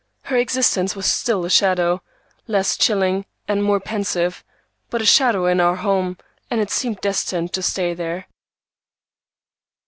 Her existence was still a shadow, less chilling and more pensive, but a shadow in our home, and it seemed destined to stay there.